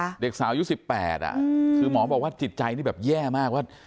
อายุ๑๘อ่ะคือหมอบอกว่าจิตใจแบบแย่มากว่า